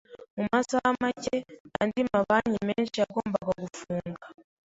Mu masaha make, andi mabanki menshi yagombaga gufunga.